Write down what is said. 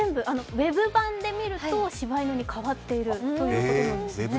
ウェブ版で見ると、しば犬に変わっているということなんですね。